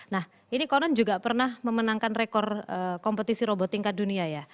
nah ini konon juga pernah memenangkan rekor kompetisi robot tingkat dunia ya